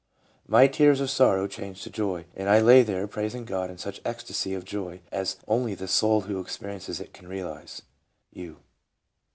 My tears of sorrow changed to joy, and I lay there praising God in such ecstasy of joy as only the soul who experiences it can realize." — U.